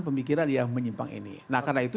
pemikiran yang menyimpang ini nah karena itu